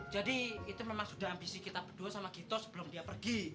jadi itu memang sudah ambisi kita berdua sama gito sebelum dia pergi